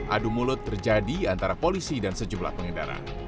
adu mulut terjadi antara polisi dan sejumlah pengendara